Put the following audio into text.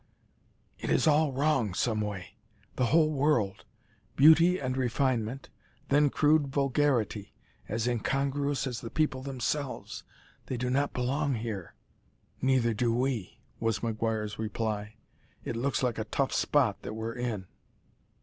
"It is all wrong some way the whole world! Beauty and refinement then crude vulgarity, as incongruous as the people themselves they do not belong here." "Neither do we," was McGuire's reply; "it looks like a tough spot that we're in."